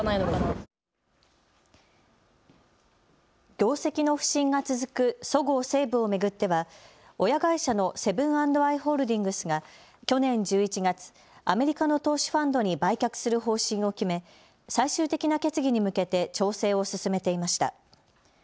業績の不振が続くそごう・西武を巡っては親会社のセブン＆アイ・ホールディングスが去年１１月、アメリカの投資ファンドに売却する方針を決め最終的な決議に向けて調整を進めていました。